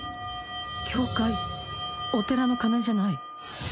教会お寺の鐘じゃない。